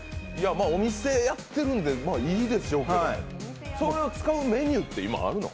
お店やってるんでいいでしょうけど、それを使うメニューって今、あるの？